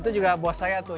itu juga buat saya tuh